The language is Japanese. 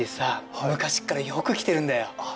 はい昔っからよく来てるんだよああ